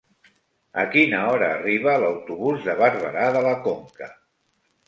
A quina hora arriba l'autobús de Barberà de la Conca?